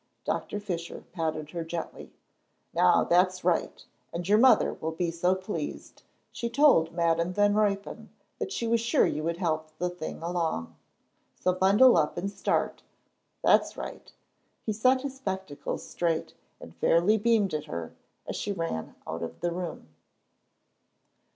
Doctor Fisher patted her gently. "Now that's right, and your mother will be so pleased. She told Madam Van Ruypen she was sure you would help the thing along. So bundle up and start that's right!" He set his spectacles straight and fairly beamed at her, as she ran out of the room.